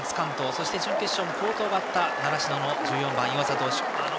そして準決勝も好投があった習志野の１４番、湯浅投手。